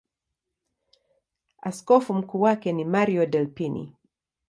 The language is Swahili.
Askofu mkuu wake ni Mario Delpini.